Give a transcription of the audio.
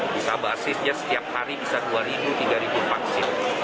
bisa basisnya setiap hari bisa dua tiga ribu vaksin